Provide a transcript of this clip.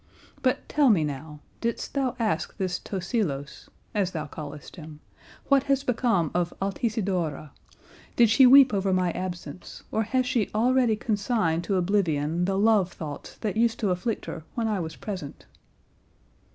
But tell me now, didst thou ask this Tosilos, as thou callest him, what has become of Altisidora, did she weep over my absence, or has she already consigned to oblivion the love thoughts that used to afflict her when I was present?"